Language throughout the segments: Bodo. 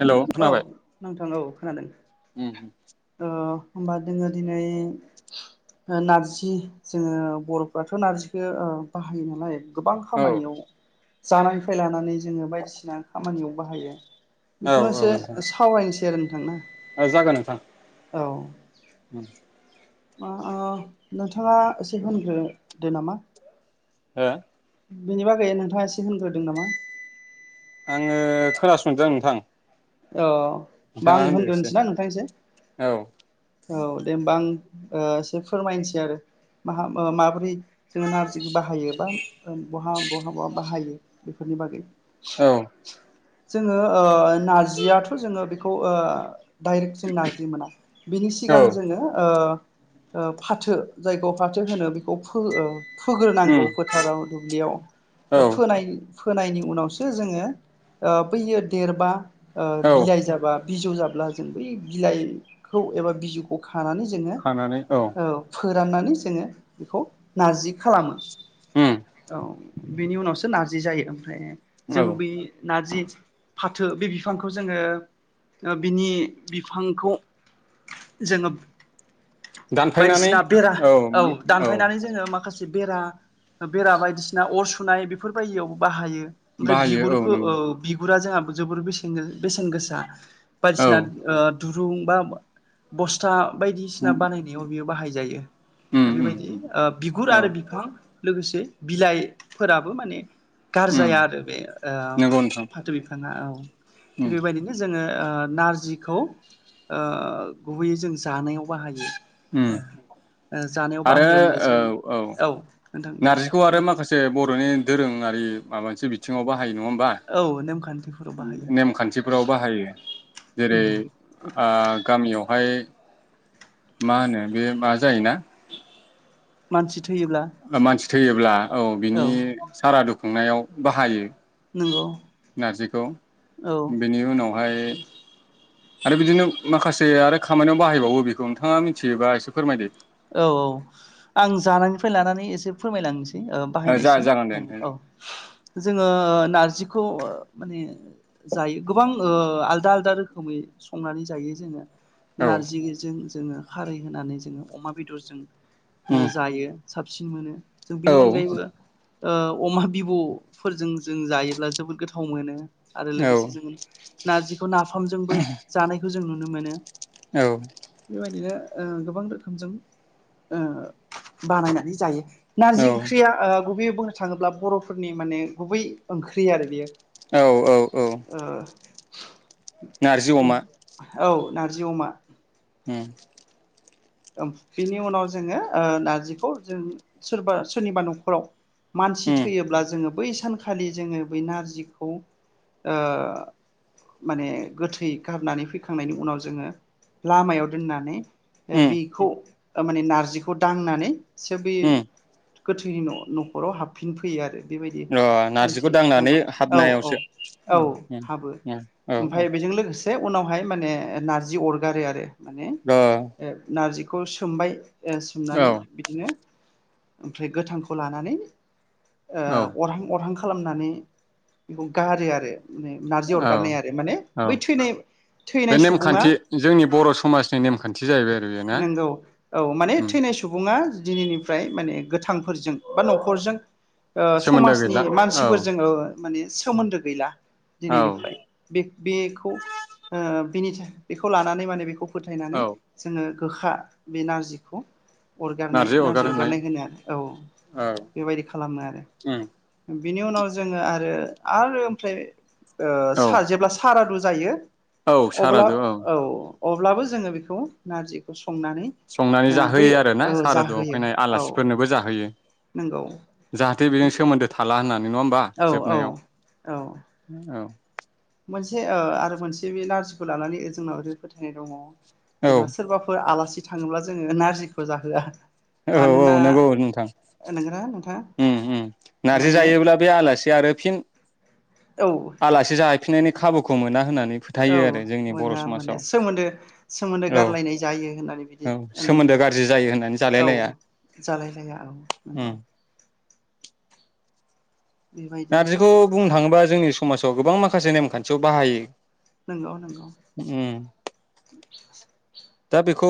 हेल' औ खोनाबाय नोंथां औ खोनादों ओ होमबा दोङो दिनै ओ नारजि जोङो बर'फ्राथ' नारजिखो ओ बाहायो नालाय गोबां औ खामानियाव जानायफ्राय लानानै जोङो बायदिसिना खामानियाव बाहायो औ बेखौनो औ एसे नोंथां सावरायनोसै आरो नोंथां ना जागोन नोंथां औ [inaudible] ओ ओ नोंथाङा एसे होनग्रो दो नामा हो बेनिबागै नोंथाङा एसे खौ होनग्रोदों नामा आङो खोनासंदों नोंथां अ ओमबा नोंथाङा आं होनदो एसे होनग्रोनोसैना नोंथां‌ एसे औ औ दे होमबा आं ओ एसे फोरमायनोसै आरो माहा ओ माबोरै जोङो नारजिखो बाहायो एबा बहा बहाबा बाहायो बेफोरनि बागै औ जोङो नारजि जियाथ जोङो बेखौ दइरेक्ट जों नारजि मोना बिनि औ सिगां जोङो ओ फाथो जायखौ फाथो होनो बेखौ फो ओ उम फोग्रोनांगौ फोथाराव दुब्लियाव औ बा फोनाय फोनायनि उनावसो जोङो ओ‌ बैयो देरबा ओ औ बिलाइ जाबा बिजौ जाब अब्ला जों बै बिलाइखौ एबा बिजौखौ हानानै जोङो औ फोराननानै जोङो बेखौ नारजि खालामो उम औ बेनि उनावसो नारजि जायो ओमफ्राय औ जों बै नारजि फाथो बे बिफ बिफांखौ जोङो बिनि बिफांखौ जोङो दानफायनानै बायदिसिना बेरा औ दानफायनानै जोङो माखासे बेरा बेरा बायदिसिना अर सुनाय बेफोर बायदियावबो बाहायो। ओमफ्राय बाहायो बिगुरखौ नंगौ औ नोंथां बिगुरा जोंहा जोबोर बेस [unintelligible] बेसेन गोसा औ बायदिसिनाद ओ दुरुं बा बस्था बायदिसिना उम बानायनायाव बियो बाहायजायो ओ उम बेबायदि उम ओ बिगुर औ आरो बिफां लोगोसे बिलाइफोराबो माने। उम गारजाया आरो बे ओ- नंगौ नोंथां फा-फाथो बिफाङा औ। थिग उम बेबायदिनो जों। ङो ओ-नारजिखौ ओ- गुबैयै जों जानायाव बाहायो। उम ओ जानायाव आरो बाहायो होमब्ला औ जों औ नोंथां दे नारजिखौ आरो माखासे बर'नि दोरों। ङारि माबा मोनसे बिथिङाव बा हायो नङा होमबा औ नेमखान्थिफोराव बाहायो नेमखान्थिफोराव बाहायो जेरै आ गामियाव। हाय मा होनो बे मा जायोना। मानसि। थैयोब्ला मानसि थैयोब्ला औ बिनि सारा दख खुंनायाव बाहायो नंगौ नारजिखौ औ बेनि उनाव। ओमफाय आरो बिदिनो माखासे आरो खामानियाव बाहायबावो बेखौ नोंथाङा मि औ औ आं जानानै। फ्राय लानानै एसे फोरमायलांनोसै। ओ- जा बाहायनायसिम जागोन दे ओ नोंथां औ जोङो नारजि। बेखौ माने जायो गोबां ओ- आलदा आलदा रोखोमै संनानै जायो जोङो। औ नारजिजों। जोङो। खारै होनानै जोङो अमा बेदरजों। उम जायो साबसिन मोनो। जों औ बिनि अनगायैबो। ओ अमा बिबुफोरजों जों जायोब्ला जोबोद गोथाव मोनो। आरो औ लोगोसे जोङो नारजिखौ नाफामजोंबो जानायखौ जों नु मोनो औ बेबायदिनो ओ गोबां रोखोमजों ओ- बानायनानै जायो नारजि ओंख्रिया ओ गुबैयै। बुंनो थाङोब्ला बर'फोरनि माने गुबै ओंख्रि आरो बियो औ औ औ। नारजि अमा औ ना जि अमा। ओम। बिनि उनाव जोङो ओ नार्जिखौ जों सोरबा सोरनिबा न'खराव मानसि उम थैयोब्ला जोङो। बै सानखालि जोङो बै नारजिखौ ओ माने गोथै गारनानै फैखांनायनि उनाव जोङो लामायाव दोननानै ए उम बिखौ माने नारजिखौ दांनानै उम [unintelligible] गोथैनि न'खराव हाबफिनफैयो आरो। बेबायदि ओ खान्थि नारजिखौ दङ दांनानै औ औ हाबनायावसो औ उम उम उम औ औ ए उनावहाय माने नारजि अरगारो आरो माने अ ओ नारजिखौ सोमबाय सोमनानै बिदिनो ओमफ्राय गोथांखौ लानानै औ ओ अरहां अरहां खा खालामनानै बेखौ गारो आरो। माने नारजि औ अरगारनाय आरो माने औ बै थैनाय बे थैनाय सुबुङा नेमखान्थि जोंनि बर' समाजनि नेमखान्थि जायो। नंगौ औ माने थैनाय सुबुङा दिनैनिफ्राय माने गोथांफोरजों बा न'खरजों ओ सोमोन्दो समाजनि गैला औ मानसिफोर जोङो माने सोमोन्दो गैला। औ दिनैनिफ्राय बे बेखौ ओ बिनि बेखौ लानानै माने बेखौ। फोथायनानै औ जोङो गोखा बे नारजिखौ। अरगारनाय नारजि अरगार होनाय अरगारनाय होनो आरो औ औ बेबायदि खालामो आरो। उम बिनि उनाव जोङो आरो आरो ओमफ्राय। ओ औ सा जेब्ला सारादु जायो औ सारादु औ अब्लाबो जोङो बेखौ नारजिखौ सु संनानै जाहोयो आरोना सारादुआव जाहोयो फैनाय औ आलासिफोरनोबो जाहोयो नंगौ जाहाथे बेजों सोमोन्दो थाला होनना नङा होमबा औ औ जोबनायाव औ औ। मोनसे ओ आरो मोनसे बे नारजिखौ लानानै जोंनाव ओरै फोथायनाय दङ। औ जेनेबा सोरबाफोर आलासि थाङोब्ला जोङो नारजिखौ जाहोआ औ औ मानोना नोंगौ नोंथां नोंगोना नोंथां उम उम नारजि माने जायोब्ला बे आलासि आरो फिन औ आलासि जाहै फिन्नायनि खाबुखौ मोना होननानै औ फोथायो आरो जोंनि बर' मोना माने समाजाव सोमोन्दो, सोमोन्दो औ गारलायनाय जायो होननानै बिदि औ माने सोमोन्दो गाज्रि जायो होननानै जालाय औ लाया जालायलाया औ उम नंगौ। बेबायदि नारजिखौ बुं थाङोबा जोंनि समाजाव गोबां माखासे नेमखान्थियाव बाहायो। नोंगौ नोंगौ। उम दा बेखौ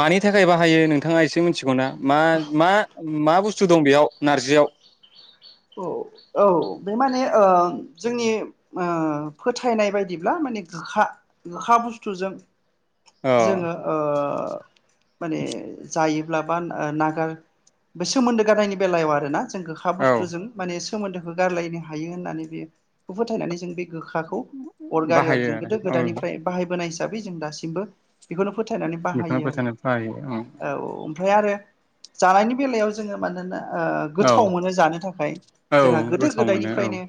मानि थाखाय बाहायो नोंथाङा एसे मिथिगौ ना? मा मा, मा बुस थु दं बेयाव नारजियाव। औ औ बे माने ओ जोंनि ओ फोथायनाय बायदिब्ला माने गोखा गोखा बुस्थुजों अ जोङो ओ ओ माने जायोब्ला बा ओ नागार बे सोमोन्दो गारनायनि बेलायाव आरोना। जों गोखा औ बुस माने सोमोन्दोखौ गारलायनो हायो होननानै बे खौ फोथायनानै जों बे गोखाखौ अरगारो आरो बाहायो जों गोदो औ गोदायनिफ्राय बाहायबोनाय बो जों दासिमबो बेखौनो फोथायनानै बेखौनो बाहायो आरो फोथायनो बाहायो औ। ओमफ्राय आरो जानायनि बेलायाव जोङो मानोना ओ गोथाव मोनो जानो था खाय औ जोंहा गोदो गोथाव मोनो औ गोदायनिफ्रायनो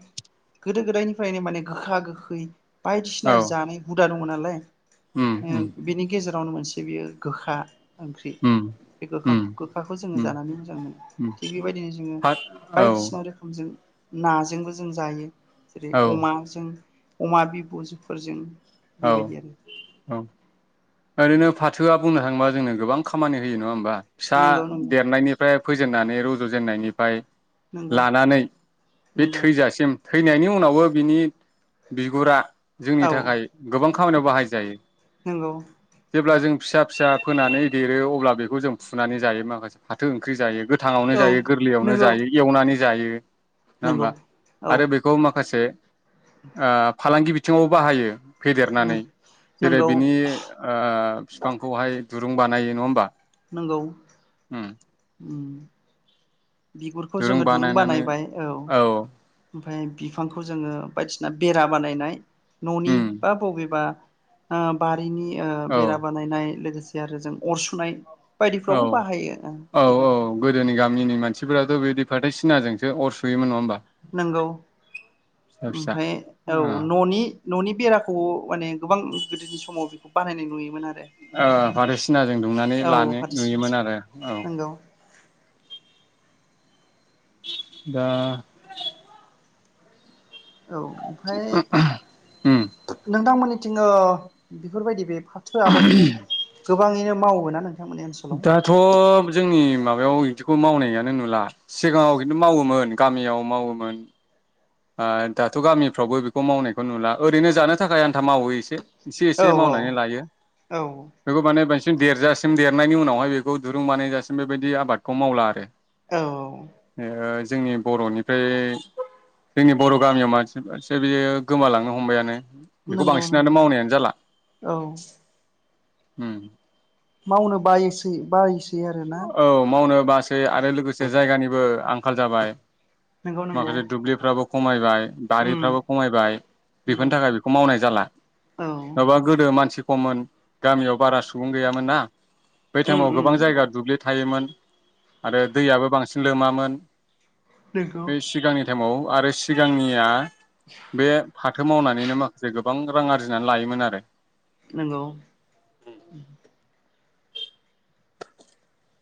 गोदो गोदायनिफ्रायनो माने गोखा गोखै बायदिसिना औ जानाय हुदा द ङ नालाय उम बिनि गेजे आवनो मोनसे बियो गोखा ओंख्रि उम बे उम गोखाखौ गोखाखौ जोङो उम जानानै मोजां मोनो उम थिक बेबायदिनो जोङो फाथ औ बायदिसिना रोखोमजों। नाजोंबो जों जायो। जेरै औ अमाजों। अमा बिबुजो फोरजों। औ औ ओरैनो फाथोआ बुंनाय। थांबा जोंनो गोबां खामानि होयो नङा होनोमबा। फिसा नंगौ नंगौ देरनायनिफ्राय। फोजेननानै रज'जेनन्नायनिफ्राय नंगौ लानानै बे नंगौ थैजासिम थैनायनि उनावबो बिनि बिगुरा जोंनि औ थाखाय गोबां खामानियाव बाहाय जायो नंगौ जेब्ला जों फिसा फिसा फोनानै देरो अब्ला बेखौ जों फुनानै जायो माखासे फाथो ओंख्रि जायो थाङावनो औ जायो गोरलैयावनो नंगौ जायो एवनानै जायो। नङा नंगौ होनबा औ आरो बेखौ माखासे आ फालांगि बि बिथिंङाव बाहायो। फेदेरनानै जेरै नंगौ बिनि आ बिफांखौहाय दुरुं बानायो नंङा होमबा। नोंगौ। उम बिगुरखौ जोङो दुरुं बानायबाय औ। ओमफफ्राय बिफांखौ जोङो बायदिसिना बेरा बानायनाय। ननि उम बा बबेबा। ओ बाद। बैनि ओ औ बेरा बानायनाय लोगोसे जे आरो जों अर सुनाय। औ बायदिफ्रावबो बाहायो ओ औ औ बिफांखौ गोदोनि गामिनि मानसिफोराथ बिदि फाथोय सिनाजोंसो अर सुयोमोन नङा होनबा! नंगौ फिसा ओमफाय औ न'नि न'नि बेराखौ माने गोबां गोदोनि समाव बानायनाय नुयोमोन आरो ओ‌ फाथोसिना जों दुंनानै औ लानो फाथो सिनाजों नुयोमोन आरो औ नंगौ दा औ ओमफ्राय उम नोंथांमोननि थिंअ बेफोर बायदि बे फोर आबादखौ गो गोबाङैनो मावोना नोंथाङाबो दाथ जोंनि माबायाव बिदिखौ मावनायानो नुला सिगाङाव खिन्थु मावोमोन गामियाव मावोमोन दाथ' गामिफ्रावबो बेखौ मावनायखौ नुला ओरैनो जानो थाखाय आन्था मावो एसे एसे एसे मावनानै औ लायो औ बेखौ माने देरजासिम देरनायनि उनावहाय बेखौ दुरुं बानायजासिम बेबायदि आबादखौ मावला आरो औ ए जोंनि बर'निफ्राय जोंनि बर' गामियाव मानसिफसे बियो गोमालांनो हमबायानो बेखौ नंगौ बांसिनानो नंगौ मावनायानो जाला औ उम मावनो बायोसै बायोसै आरोना औ मावनो बासै आरो लोगोसे जायगानिबो आं खाल जाबाय। नंगौ नंगौ माखासे दुब्लिफ्राबो खमायबाय उम बारिफ्राबो खमायबाय नंगौ बेफोरनि थाखाय बेखौ मावनाय जाला औ नङाबा गोदो मानसि खमन गामियाव बारा सुबुं गैयामोन ना बेै उम टाइमाव उम गोबां नंगौ जायगा मोन आरो दैआआबो बांसिन लोमामोन नंगौ बै सिगांनि टाइमाव आरो सिगांनिया बे फाथो मावनानैनो माखासे गो बां रां आरजिनानै लायोमोन आरो नोंगौ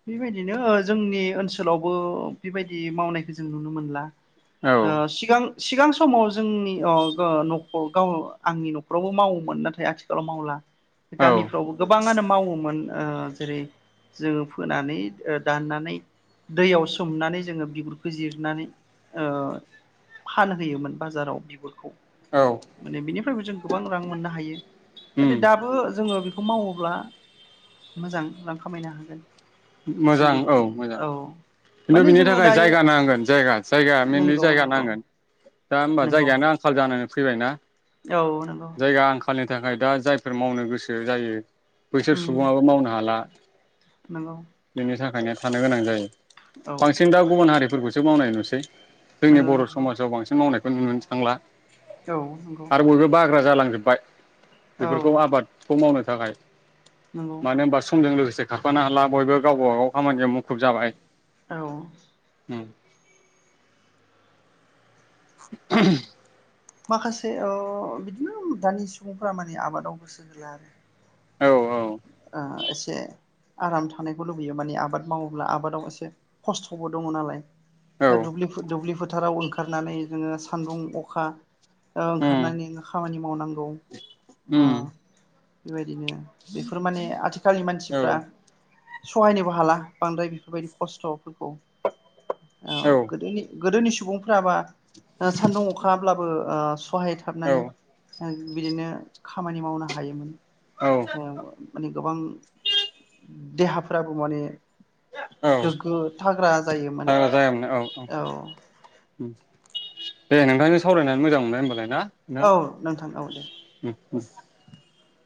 बेबायदिनो ओ जोंनि ओनसोलावबो बेबायदि मावनायखौ जों नुनो मोनला आरो ओ सिगां सिगां समाव जोंनि अ ओ न'खर गाव आंनि न'खरावबो मावोमोन नाथाय आथिखालाव मावला। औ गामिफ्रावबो गोबाङानो मावोमोन। ओ जेरै जोङो फोनानै ओ दाननानै दैयाव सोमनानै जोङो बिगुरखौ जिरनानै ओ फानहोयोमोन बाजाराव बिगुरखौ औ माने बिनिफ्रायबो जों गोबां रां मोननो हायो उम नाथाय दाबो जोङो बेखौ बेखौ मावोब्ला मोजां रां खामायनो हागोन। जों मोजां औ मोजां खिन्थु माने बिनि जोङो थाखाय दायो जायगा नांगोन जायगा जायगाया मेनलि नंगौ जायगा नंगौ नांगोन दा होनबा नंगौ जायगायानो आंखाल जानो फैबाय ना औ नंगौ। खालनि थाखाय दा जायफोर मावनो गोसो जायो बैसोर उम सुबुङाबो मावनो हाला। नंगौ [unintelligible] थानाया थानो गोनां जायो। औ बांसिन दा गुबुन हारि फोरखौसो मावनाय नुसै। जोंनि नंगौ बर' नंगौ समाजाव बांसिन मावनाय खौ नुनो थांला। औ नंगौ। आरो बयबो बाग्रा जालांजोब्बाय औ बेफोरखौ आबादखौ मावनो थाखाय नंगौ मानो होनबा समजों लोगोसे से खारफानो हाला। बयबो गावबागाव खामानियाव मुखुब जाबाय । औ। उम। [unintelligible] माखासे ओ बिदिनो दानि सुबुंफोरा माने आबादाव गोसो होला आरो। औ ओ एसे आराम थानायखौ लुबैयो माने आबाद मावोब्ला आबादाव एसे खस्थ'बो दङ नालाय। दा औ दुबलिफुद दुबलि फुद फोथाराव ओंखारनानै जोङो सान्दुं अखा ओ उम ओंखारनायनिनो खामानि माव मावनांगौ ओ उम बेबायदिनो बेफोर माने आथि खालनि औ मानसिफ्रा सहायनोबो हाला बांद्राय बेफोरबायदि खस्थ'फोरखौ ओ औ गोदोनि गोदोनि सुबुंफ्राबा सान्दुं अखायाब्लाबो ओ औ सहायथाबनानै ओ बिदिनो खामानि मावनो हायोमोन। औ माने गोबां देहाफ्राबो माने औ गोग्गो थाग्रा जायोमोन औ दे नोंथांजों सावरायनानै मोजां मोनबाय होनमबालाय ना । औ नोंथां औ दे [unintelligible]